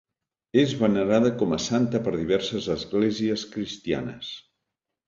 És venerada com a santa per diverses esglésies cristianes.